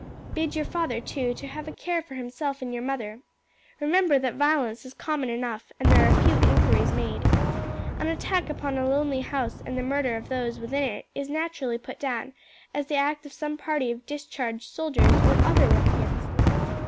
"Bid your father, too, to have a care for himself and your mother. Remember that violence is common enough, and there are few inquiries made. An attack upon a lonely house and the murder of those within it is naturally put down as the act of some party of discharged soldiers or other ruffians.